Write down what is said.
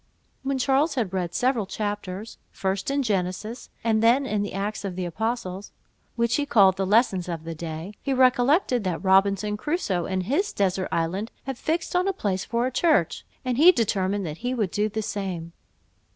When Charles had read several chapters, first in Genesis, and then in the Acts of the Apostles, which he called the lessons of the day, he recollected that Robinson Crusoe, in his desert island, had fixed on a place for a church, and he determined that he would do the same.